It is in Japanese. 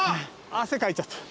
汗かいちゃった。